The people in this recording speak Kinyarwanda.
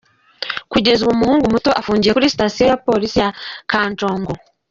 Kugeza ubu umuhungu muto afungiwe kuri sitasiyo ya Polisi ya Kanjongo.